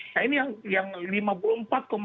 nah ini yang lima puluh empat sekian pun